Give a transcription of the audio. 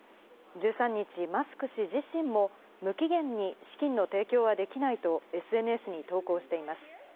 １３日、マスク氏自身も、無期限に資金の提供はできないと、ＳＮＳに投稿しています。